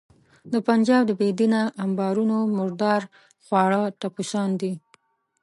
د پنجاب د بې دینه امبارونو مردار خواره ټپوسان دي.